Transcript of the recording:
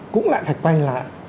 cũng lại phải quay lại